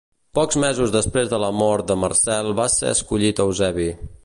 Pocs mesos després de la mort de Marcel va ser escollit Eusebi.